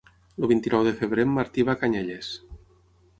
El vint-i-nou de febrer en Martí va a Canyelles.